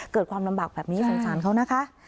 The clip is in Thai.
เกิดความลำบากแบบนี้สงสารเขานะคะ